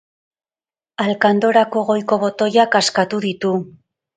Alkandorako goiko botoiak askatu ditu.